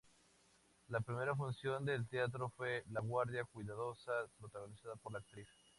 La primera función del teatro fue "La guardia cuidadosa", protagonizada por la actriz.